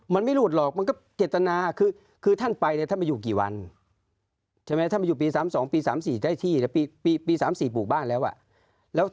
ไม่แท้กดีทั้งสมมุติคืออย่างงี้แปลว่าหลุดถูกป่ะ